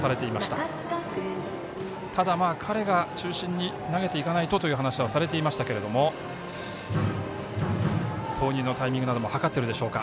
ただ、彼が中心に投げていかないとという話をされていましたが投入のタイミングなどを図っているでしょうか。